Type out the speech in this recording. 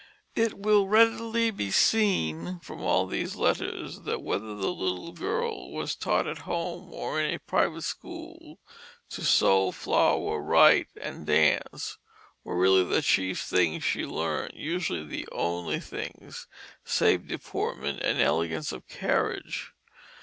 It will readily be seen from all these letters that whether the little girl was taught at home or in a private school, to "sew, floure, write, and dance" were really the chief things she learned, usually the only things, save deportment and elegance of carriage.